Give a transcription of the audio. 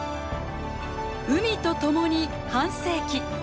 海と共に半世紀。